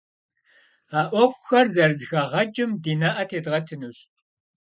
А Ӏуэхухэр зэрызэхагъэкӀым ди нэӀэ тедгъэтынущ.